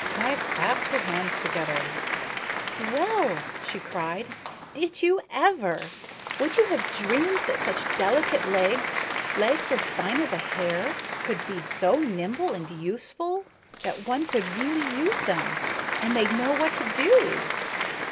Maya clapped her hands together. "Well!" she cried. "Did you ever? Would you have dreamed that such delicate legs, legs as fine as a hair, could be so nimble and useful that one could really use them and they'd know what to do?